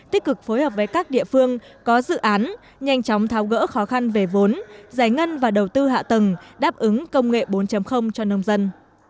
tích cực phối hợp với các địa phương có dự án nhanh chóng tháo gỡ khó khăn về vốn giải ngân và đầu tư hạ tầng đáp ứng công nghệ bốn cho nông dân